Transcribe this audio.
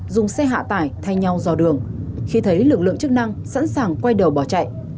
dùng xe hạ tải thay nhau dò đường khi thấy lực lượng chức năng sẵn sàng quay đầu bỏ chạy